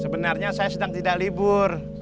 sebenarnya saya sedang tidak libur